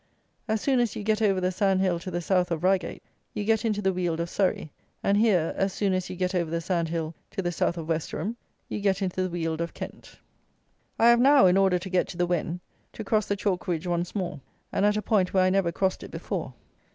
As soon as you get over the sand hill to the south of Reigate, you get into the Weald of Surrey; and here, as soon as you get over the sand hill to the south of Westerham, you get into the Weald of Kent. I have now, in order to get to the Wen, to cross the chalk ridge once more, and, at a point where I never crossed it before.